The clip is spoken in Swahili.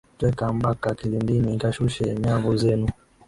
Tweka mbaka kilindini, kashushe nyavu zenu.